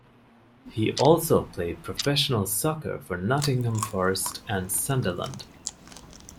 He also played professional soccer for Nottingham Forest and Sunderland.